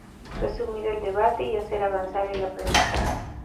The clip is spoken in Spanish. Resumir el debate y hacer avanzar el aprendizaje.